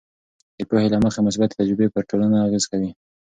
د پوهې له مخې، مثبتې تجربې پر ټولنې اغیز کوي.